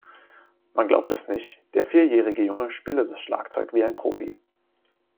Man glaubte es nicht, der vierjährige Junge spiele das Schlagzeug wie ein Profi.